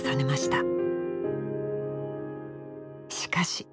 しかし。